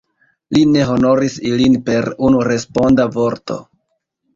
Li ne honoris ilin per unu responda vorto.